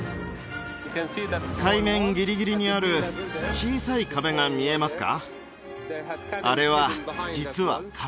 海面ギリギリにある小さい壁が見えますか？